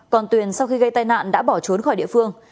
còn tuyền sau khi gây tai nạn đã bỏ trốn khỏi địa phương